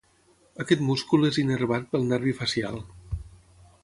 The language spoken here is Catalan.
Aquest múscul és innervat pel nervi facial.